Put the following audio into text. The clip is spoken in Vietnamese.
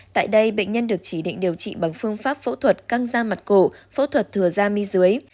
tại đây bệnh nhân được chỉ định điều trị bằng phương pháp phẫu thuật căng da mặt cổ phẫu thuật thừa da mi dưới